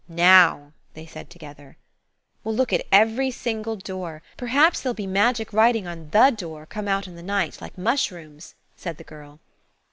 "Now," they said together. "We'll look at every single door. Perhaps there'll be magic writing on the door come out in the night, like mushrooms," said the girl.